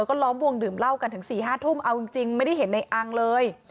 แล้วก็ล้อมวงดื่มเหล้ากันถึง๔๕ทุ่มเอาจริงไม่ได้เห็นในอังเลย